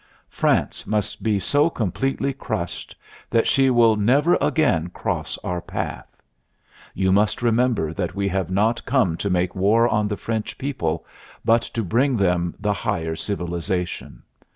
France must be so completely crushed that she will never again cross our path. You must remember that we have not come to make war on the French people, but to bring them the higher Civilization.